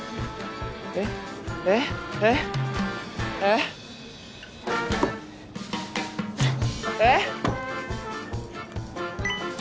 えっ？えっ？えっ？えっ？えっ！？